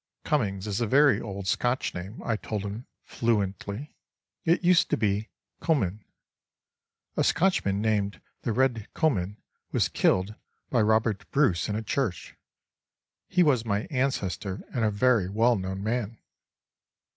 —"Cummings is a very old Scotch name," I told him fluently, "it used to be Comyn. A Scotchman named The Red Comyn was killed by Robert Bruce in a church. He was my ancestor and a very well known man."